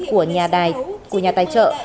của nhà tài trợ